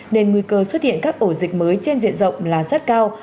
nên nguy cơ xuất hiện các ổ dịch mới trên diện rộng là rất cao